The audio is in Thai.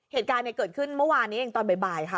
เหตุการณ์เกิดขึ้นเมื่อวานนี้เองตอนบ่ายค่ะ